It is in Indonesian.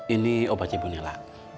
ini obat ibu naila